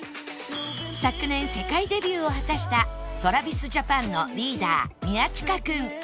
昨年世界デビューを果たした ＴｒａｖｉｓＪａｐａｎ のリーダー宮近君